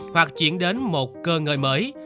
hoặc chuyển đến một cơ ngợi mới